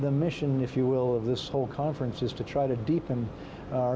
tapi ini adalah hal hal yang berdasarkan keinginan